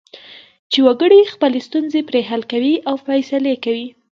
چې وګړي خپلې ستونزې پرې حل کوي او فیصلې کوي.